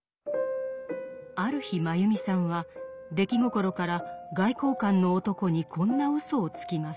ある日マユミさんは出来心から外交官の男にこんなうそをつきます。